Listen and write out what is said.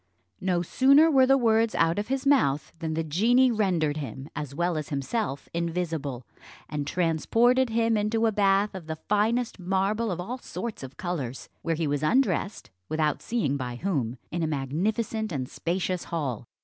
No sooner were the words out of his mouth than the genie rendered him, as well as himself, invisible, and transported him into a bath of the finest marble of all sorts of colours; where he was undressed, without seeing by whom, in a magnificent and spacious hall.